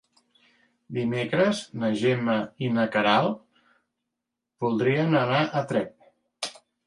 Dimecres na Gemma i na Queralt voldrien anar a Tremp.